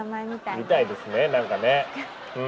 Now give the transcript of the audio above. みたいですねなんかね。